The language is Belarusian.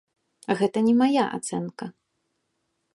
Гэта не мая ацэнка.